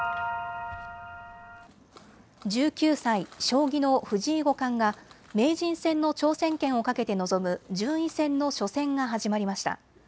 １９歳、将棋の藤井五冠が名人戦の挑戦権をかけて臨む順位戦の初戦が始まりました。